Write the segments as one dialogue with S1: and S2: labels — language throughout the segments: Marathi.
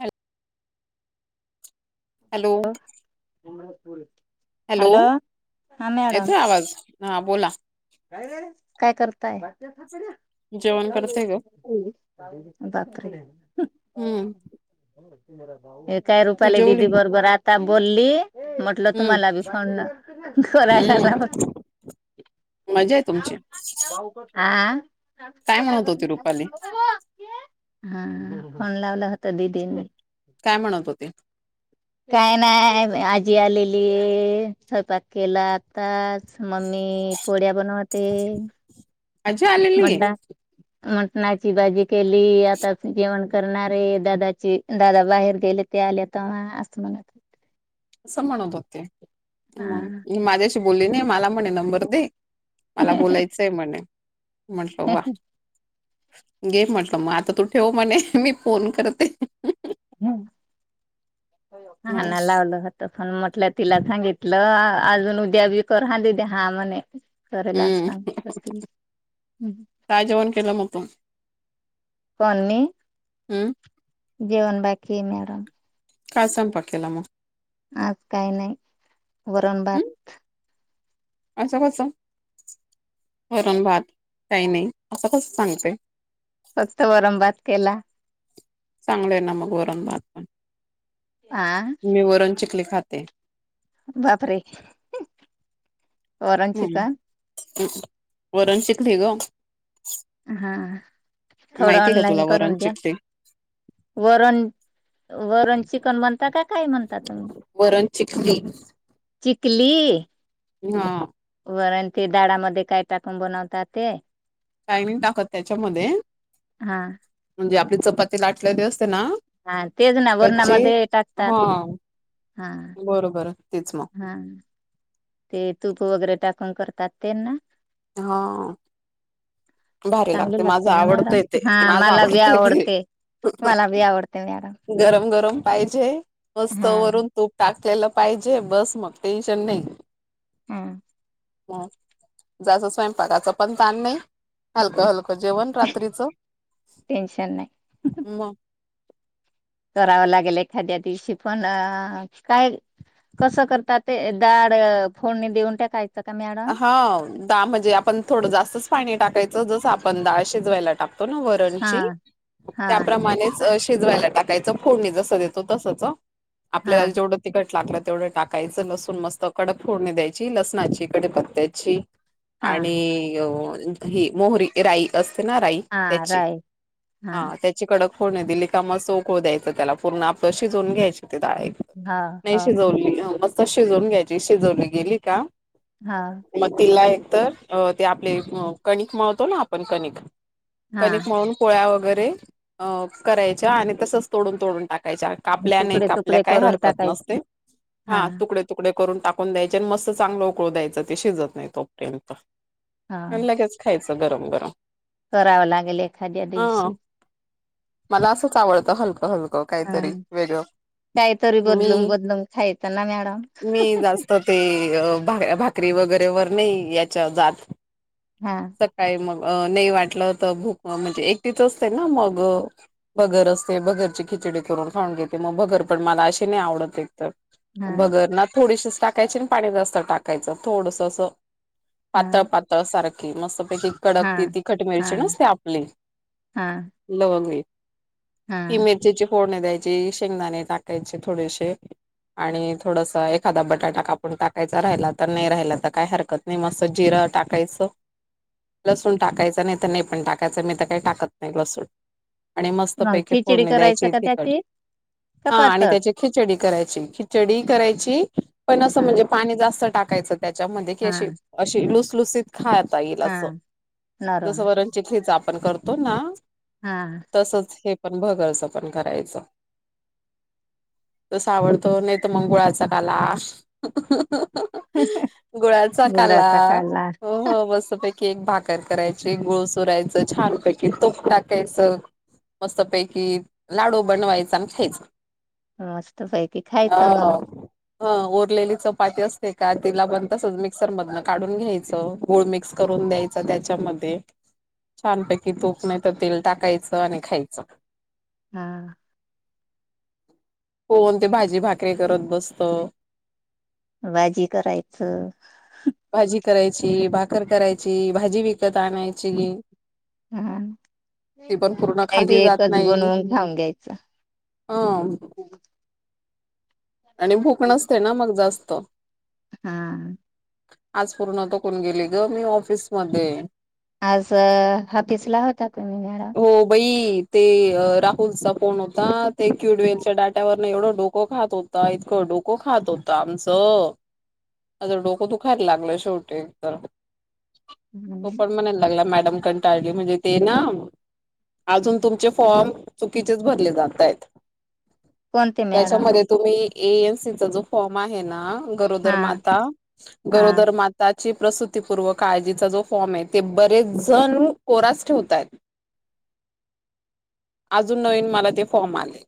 S1: हॅ हॅलो. हॅलो
S2: हा मॅडम
S1: येतोय आवाज हा बोला.
S2: काय करताय-
S1: ह्
S2: बापरे
S1: हम्म
S2: हे काय
S1: तू
S2: रुपाली
S1: जेवली
S2: दिदी बरोबर आता बोलली म्हटलं
S1: हम्म
S2: तुम्हाला बी पण फोन ना करायलाच
S1: हम्म
S2: लावते
S1: मजा आहे तुमची
S2: हा हा
S1: काय म्हणत होती रुपाली
S2: फोन लावला होता दिदीनी
S1: काय म्हणत होती
S2: काय नाही आजी आलेली आहे स्वयंपाक केला आताच मम्मी पोळ्या बनवते
S1: आज्जी आलेली आहे
S2: म्हटला मटणाची भाजी केली आता जेवण करणारे दादाची दादा बाहेर गेले ते आलेता असं म्हणत होते.
S1: असं म्हणत होते मग
S2: हा
S1: मी माझ्याशी बोलली नाही मला म्हणे नंबर दे मला बोलायचंय म्हणे म्हटलं वा घे म्हटलं मग आता तू ठेव म्हणे मी फोन करते.
S2: हा
S1: मग
S2: ना लावलोत पण म्हटलं तिला सांगितलं अजून उद्या बी कर हा दिदी हा म्हणे केला
S1: हम्म
S2: असता
S1: काय जेवण केलं मग तू
S2: कोनी
S1: हम्म
S2: जेवन बाकी मॅडम
S1: काय स्वयंपाक केला म
S2: आज काही नाही वरण
S1: हम्म
S2: भात
S1: असं कस वरण भात काही नाही असं कस सांगतय
S2: फक्त वरम भात केला
S1: चांगलं आहे ना मग वरण भात पण
S2: हा
S1: मी वरण चिखली खाते
S2: बापरे वरण
S1: हम्
S2: चिकन
S1: वरण शिकली ग
S2: हा, थोडं
S1: माहितीय का
S2: ऑनलाईन
S1: तुला वरण
S2: करून द्या.
S1: चिकली
S2: वरण वरण चिकन म्हनता का काय म्हणता तुम्ही
S1: ्री
S2: चिकली
S1: हा
S2: वरण तेडामध्ये काय टाकून बनवतात ते
S1: काायनिंग टाकत त्याच्यामध्ये
S2: हा
S1: म्हणजे आपली चपाती लाटलेली असते ना
S2: हा तेच ना
S1: कच्चे
S2: वरणामध्ये टाकतात
S1: ह
S2: हा
S1: बरोबर तेच मग
S2: हा, ते तूप वगैरे टाकून करतात तेना!
S1: हो
S2: चांगली लागते ना मॅडम,
S1: ते
S2: हा
S1: माझं
S2: मला बी
S1: आवडतंय ते
S2: आवडते. मला भी आवडते मॅडम.
S1: गरम गरम पाहिजे! मस्त
S2: हा
S1: वरून तूप टाकलेलं पाहिजे, बस मग टेन्शन नाही.
S2: हम्
S1: ह जाच स्वयंपाकाच पण ताण नाही हलकं हलकं. जेवण रात्रीच
S2: टेन्शन नाही
S1: मग.
S2: करावं लागेल एखाद्या दिवशी, पण अ... काय कसं करतात ते.. दडाळ फोडणी देऊन टकाय
S1: हा, दाळ म्हणजे आपण थोडं जास्तच पाणी टाकायचं जस आपण दाळ शिजवायला टाकतो.
S2: हा
S1: वरणची
S2: हा
S1: त्याप्रमाणेच अ... शिजवायला टाकायचं फोडणी जसं देतो तसंच
S2: हा
S1: आपल्याला जेवढं तिखट लाकला तेवढं टाकायचं लसूण मस्तकड फोडणी द्यायची लसणाची, कडे पत्त्याची
S2: हा
S1: आणि ही मोहरी राई अस
S2: हा
S1: त्याची
S2: राईट
S1: हा त्याची कड होणे दिली का म उकळू द्यायचं त्याला पूर्ण आपलं शिजवून घ्यायची
S2: हो
S1: नाही
S2: हो
S1: शिजवली मस्त शिजवून घ्यायची शिजवली गेली का?
S2: हो
S1: मग तिला.... एक तर, अ... ते आपले कणिक म्हळतो ना आपण, कणिक
S2: हा
S1: कनिक म्हळून पोळ्या वगैरे अ करायच्या आणि तसच तोडून तोडून टाक- का कापल्या, नाही
S2: तुकडे
S1: कापल्या
S2: तुकडे
S1: काय
S2: करून
S1: हरकत
S2: टाकाय
S1: नसते. हा, तुकडे तुकडे करून टाक ून द्यायचे आणि मस्त चांगलं उकळू द्यायचं ते शिजत नाही तोपर्यंत
S2: हा
S1: लगेच खायचं. गरम गरम
S2: करावं लागेल एखाद्या
S1: हा
S2: दिवशी.
S1: मला असंच आवडतं हलकं हलकं,
S2: हा
S1: काहीतरी वेगळं.
S2: काहीतरी बदलून
S1: मी,
S2: बदलून खायचं ना मॅडम
S1: मी जास्त ते.. अ... भाकरी वगैरे वर नाही याच्या जात
S2: हा
S1: सकाळी मग नाही वाटलं तर भूक म्हणजे एकटीच असते ना मग बगर असते बगरची किती चिडी करून खाऊन घेते मग भगर पण मला अशी नाही आवत एक तर
S2: हा
S1: बगर ना... थोडीशीच टाकायची आणि पाणी जास्त टाकायचं, थोडस असं
S2: हा
S1: पातळ पातळ सारखी मस्त पैकी कडक
S2: हा
S1: तिखट
S2: हा
S1: मिरची ना ते आपली
S2: हा
S1: लवंगली
S2: हा
S1: इमेजीची फोडणे द्यायची शेंगदाणे टाकायचे थोडेसे आणि थोडस एखादा बटाटा कापून टाकायचा राहिला तर नाही राहिला तर काय हरकत नाही मस्त जिरं टाकायचं. लसूण टाकायचं नाही तर नाही पण टाकायचं मी तर काही टाकत नाही लसूण. आणि
S2: मग
S1: मस्तपैकी
S2: खिचडी
S1: फोडणी
S2: करायचं
S1: द्यायचे
S2: का
S1: तिखट
S2: त्याची का
S1: हा, आणि
S2: पातळ
S1: त्याची खिचडी करायची खिचडी करायची पण असं
S2: हा
S1: म्हणजे पाणी जास्त- य त्याच्यामध्ये की
S2: हा
S1: अशी अशी लुसलुशीत खातात येईल
S2: हा
S1: असं....
S2: नरम
S1: जसं वरणची खेच आपण करतो ना
S2: हा
S1: तसंच हे पण भगरचं पण करायचं‌. तस आवडतो, नाही तर मग गुळाचा काला. गुळाचा काला
S2: गुबराचा काढला
S1: हो हो बस पैकी केक भाकर करायचे गुळ सुोरायचं छानपैकी तोफ टाकायच मस्त पैकी लाडू बनवायचा आणि ख्यायच
S2: मस्त पैकी खायचं मग
S1: ह ओरलेली चपाती अस का तिला बन तस मिक्सर मधन काढून घ्यायचं गूळ मिक्स करून द्यायचं त्याच्यामध्ये छानपैकी तूप नाही तर तेल टाकायचं आणि खायचं
S2: हा
S1: कोण ते भाजी भाकरी करत बसत
S2: बाजी करायच
S1: भाजी करायची भाकरर करायची भाजी विकत आणायची.
S2: हम्म
S1: ती पण पूर्ण
S2: का बी
S1: खाल्ली जात
S2: एकच
S1: नाही.
S2: बनवून ाऊून घ्यायचं
S1: ह आणि भुकणचते ना मग जास्त.
S2: हा
S1: आज पूर्ण त कोण गेली ग मी ऑफिसमध्येध्ये
S2: आज हफिसला होता तु्ही मला
S1: हो बाई ते राहुलचा फोन होता ते क्युडवेलच्या डाट्यावर न एवढं डोकं खात होता इतकं! डोक खात हो आमच! लागल शेवटी त
S2: हम्म.
S1: पण म्हणायला लागला डमक टाळली म्हणजे ते ना अजून तुमचे फॉर्म चुकीचेच भरले जात आहेत.
S2: कोणते मॅडम
S1: त्याच्यामध्ये तुम्ही एनसीचा जो फॉर्म आहे ना!
S2: हा
S1: गरोदर माता
S2: हा
S1: गरोदर माता [unintelligible] [inaudible] प्रसपूर्व काळजीचा जो फॉर्म आहे ते बरेच जण कोरास ठेवतात अजून नवीन मला ते फॉर्म आले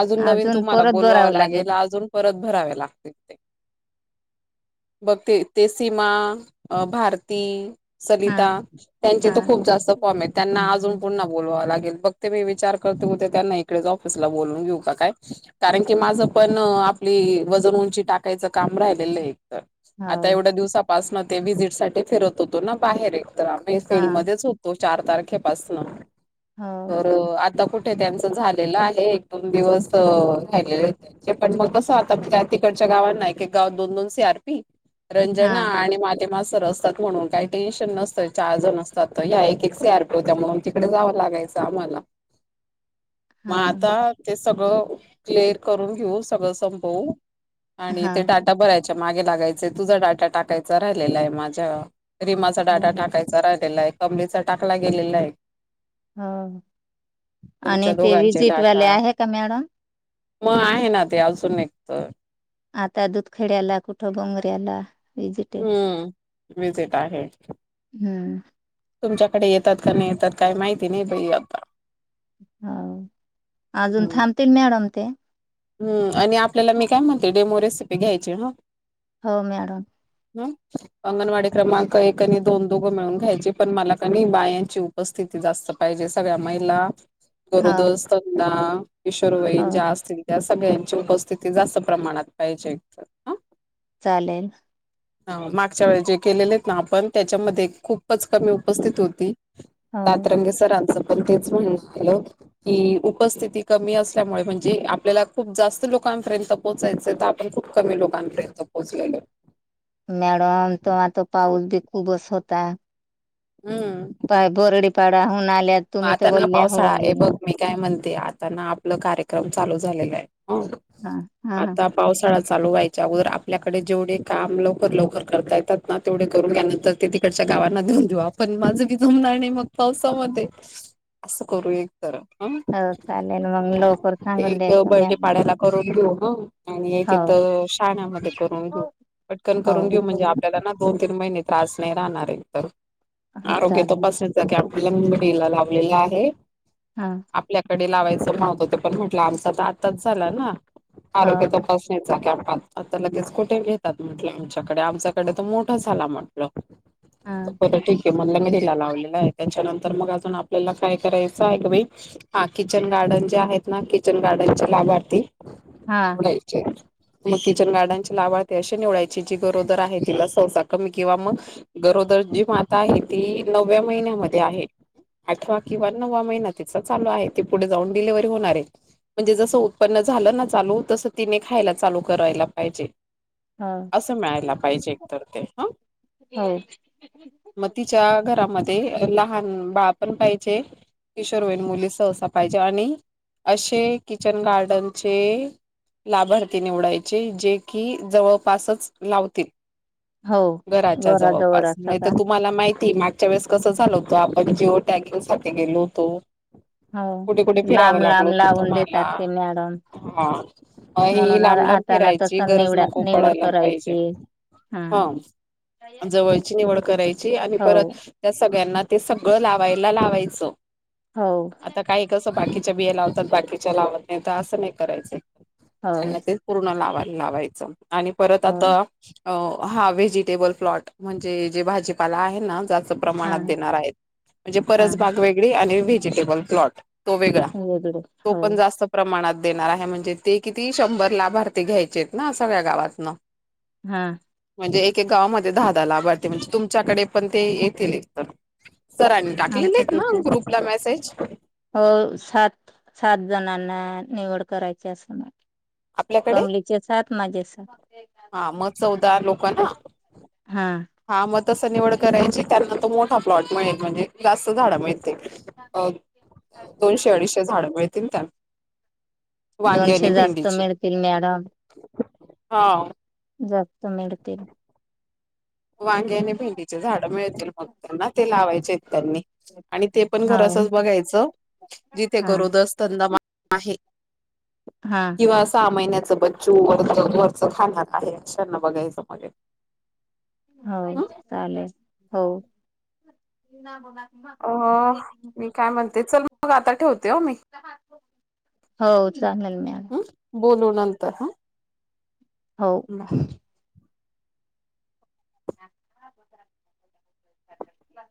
S1: अजून नवीन तुम्हाला बोलवावं लागेल अजून परत भरावे लागतील ते बघ ते ते सीमा भारती
S2: हा
S1: सलिता त्यांचे
S2: हा
S1: तर खूप जास्त फॉम आहेत त्यांना अजून प न बोलावावं लागेल मी विचार कर होते त्यांना इडे ऑफिस बून घेऊ का काय कारण की माझ पण आ आपली वजन उंची टाकायचं काम राहिलेलं आहे तर
S2: हो
S1: आता एवढ्या दिवसापासन ते व्हिजिट सा फिरत होतो ना बाहेर तर आ्ही
S2: हा
S1: फिल्ड मध्येच होतो चार तारखेपासन
S2: हो
S1: तर आता कुठे त्यांचं झालेलं आहे दोन दिवस रा पण मग तसं आता त्या तिकडच्या गावांना एक गाव दोन दोन सी आर
S2: हा
S1: रंजना आणि मााते मास असतात म्हणून काही टेन्शन नसतं चार जण असतात तर एक सी आरपी हो त्या म्हून तिकडे जावं लागायचं जा मला मग
S2: हा
S1: आता ते सगळं क्लअर करून घेऊ सगळं संपवू आणि
S2: हा
S1: ते डाटा भरायच्या मागे लागायचे तुझा डाटा टाकायचा राहिलेला आहे माझ्या रिमाचा डाटा
S2: हो
S1: टाकायचा राहिलेला आहे, कंपनीचा टाकला गेलेला आहे.
S2: हो आणि
S1: तुमच्या
S2: ते
S1: दोघांचे
S2: विजिटवाले
S1: डाटा
S2: आहे का मॅडम?
S1: मग आहे ना ते अजून एक,
S2: आता दूध खेड्याला कुठं बोंगऱ्याला, विजिट आहे
S1: हम्म विझिट आहे.
S2: हम्म
S1: तुमच्याकडे येतात का नाही येतात, काही माहिती नाही बई आता.
S2: हो अजून थांबतील मॅडम ते,
S1: हम् आणि आपल्याला मी काय म्हणते डेमो रेसिपी घ्यायची ह,
S2: हो मॅडम,
S1: ह, अंगणवाडी क्रमांक एक आणि दोन दोघं मिळून घ्यायचे. पण मला का नाही, बायांची उपस्थिती जास्त पाहिजे सगळ्या महिला,
S2: हो
S1: गरोदर, सज्ञान,
S2: हो
S1: किशोरवयीन ज्या असतील, या सगळ्यांची उपस्थिती जास्त प्रमाणात पाहिजे, एकत्र हा,
S2: चालेल.
S1: मागच्या वेळे जे केलेले आहेत ना आपण, त्याच्यामध्ये खूपच कमी उपस्थित होती.
S2: हो
S1: आत्रंगे सरांचं तेच म्हणनं झालं की, उपस्थिती कमी असल्यामुळे म्हणजे आप आपल्याला खूप जास्त लोकांपर्यंत पोहोचायचंय तर, आपण खूप कमी लोकांपर्यंत पोहोचलेल,
S2: मॅडम, तो आता पाऊस बी खूपच होता, पाय, बोरडीपाडा आल्यात
S1: मग
S2: तुम्ही तर
S1: आता ना
S2: बोलल्या
S1: पावसाळा
S2: होऊन
S1: आहे
S2: गेल
S1: बघ मी काय म्हणते, आता ना आपलं कार्यक्रम चालू झालेला आहे. हो,
S2: हा हा
S1: आता पावसाळा चालू व्हायच्या अगोदर, आपल्याकडे जेवढे काम लवकर-लवकर करता येतात ना! तेवढे करून घ्या, नंतर ते तिकडच्या गावांना नेऊन देवू आपण. माझं विधम ना, आणि मग पावसामध्ये, असं करू एक
S2: हो चालेल मग लवकर
S1: [unintelligible]
S2: सांगून
S1: एक
S2: द्यायचं
S1: बर्डे,
S2: मॅम
S1: पाड्याला करून घेऊ. ह आणि एक
S2: हो
S1: इथं शाण्यामध्ये करून घेऊ. पटकन करून
S2: हो
S1: घेऊ, म्हणजे आपल्याला ना दोन-तीन महिने त्रास नाही राहणार एक तर, आरोग्य
S2: चालेल
S1: तपासत जा की, आपल्याला मुंबई, लावलेला आहे,
S2: हा
S1: आपल्याकडे लावायचं असं म्हणत होते. पण म्हटलं आमचा तर आताच झाला ना,
S2: हो
S1: आरोग्य तपासणीचा कॅम्प, आता लगेच कुठे घेतात म्हटलं आमच्याकडे? आमच्याकडे तर मोठा झाला म्हंटलं.
S2: हा
S1: बर ठीक आहे. मग [unintelligible] लावलेला आहे, त्यांच्यानंतर तर मग अजून आपल्याला काय करायचं आहे गं बाई? हा किचन गार्डन जे आहेत ना, किचन गार्डनच्या वाती,
S2: हा
S1: निवडायच्यात. मग किचन गार्डनची लावळ ते अशी निवडायची, जी गरोदर आहे, तिला सहसा कमी किंवा मग गरो धरती माता आहे ती, नवव्या महिन्यामध्ये आहे. आठवा किंवा नववा महिना तिचा चालू आहे, ते पुढे जाऊन डिलेव्हरी होणार आहे. म्हणजे जसं उत्पन्न झालं ना चालू, तसं तिने खायला चालू करायला पाहिजे.
S2: हो
S1: असं मिळायला पाहिजे, एक तर ते ह. [unintelligible]
S2: हो
S1: मग, तिच्या घरामध्ये लहान बाळ पण पाहिजे, किशोरयीन मुली सहसा पाहिजे आणि, असे किचन गार्डनचे, लाभार्थी निवडायचे, जे कि जवळपासच लावतील.
S2: हो
S1: [unintelligible] घराच्या
S2: घराजवळ
S1: जवळपास,
S2: असं
S1: नाही तर
S2: का
S1: तुम्हाला माहिती ती मागच्या वेळेस कसं झाल होतं? आपण जिओ टॅगिंगसाठी गेलो होतो. [unintelligible]
S2: हो
S1: कुठे कुठे फिरावं
S2: लांब
S1: लागल
S2: लांब
S1: होतं?
S2: लावून
S1: तुम्हाला,
S2: देतात ते मॅडम
S1: हा. म ही
S2: म्हणून
S1: लांब-लांब
S2: आता ना
S1: फिरायची,
S2: तस
S1: गरज
S2: निवडा
S1: नको
S2: निवड
S1: पडायला पाहिजे.
S2: करायची हा.
S1: ह जवळची निवड करायची, आणि
S2: हो
S1: परत त्या सगळ्यांना, ते सगळं लावायला, लावायचं.
S2: हो.
S1: आता काही कसं बाकीच्या बिया लावतात, बाकीच्या लावत नाही. तर असं नाही करायचं,
S2: हो
S1: त्यांना ते पूर्ण लावा लावायचं, आणि परत आता
S2: हो
S1: अ.. हा व्हेजिटेबल प्लॉट, म्हणजे जे भाजीपाला आहे ना, जास्त
S2: हा
S1: प्रमाणात देणार आहेत. म्हणजे
S2: हा
S1: परस [inaudible] बाग वेगळी आणि व्हेजिटेबल प्लॉट तो वेगळा.
S2: वेगळे
S1: [inaudible] तो
S2: हो
S1: पण जास्त प्रमाणात देणार आहे म्हणजे ते [inaudible] किती, शंभर लाभार्थी घ्यायचेत ना, सगळ्या गावातनं
S2: हा.
S1: म्हणजे एक-एक गावामध्ये दहा-दहा [inaudible] लाभार्थी, म्हणजे तुमच्याकडे पण ते येतील एक तर सरांनी
S2: आमच
S1: टाकलेले आहेत ना
S2: किती?
S1: ग्रुपला मेसेज
S2: हो, सात-सात जणांना हा निवड करायची असं नाही.
S1: आपल्याकडे
S2: कमलीचे सात, माझे सात. [inaudible]
S1: हा मग चौदा लोक ना
S2: हा
S1: हा म तस निवड करायची त्यांना तो मोठा प्लॉट मिळेल म्हणजे जास्त झाड मिळ अ दोनशे अडीचशे झाड मिळतील त्यांना?
S2: दोनशे जास्त मिळतील मॅडम
S1: हा.
S2: जा कुठं मिळतील.
S1: वांगे आणि भेंडीचे झाड मिळतील मग त्यांना ते लावायचे आहेत त्यांनी आणि ते पण घरा
S2: हो
S1: तसच बघायचं जिथे
S2: हा
S1: गरोदर दस्मा आहे
S2: हा
S1: किंवा सहा महिन्यात बच्चू वरच वरच खा आहे अक्षांना बघायचं मजे-
S2: हो चालेल हो
S1: अ मी काय म्हणते चल मग आता ठेवते हो मी?
S2: हो चालेल मला?
S1: बोलूू नंतर हा
S2: हो [inaudible] बा